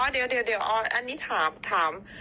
อ๋ออ๋ออ๋อเดี๋ยวอันนี้ถาม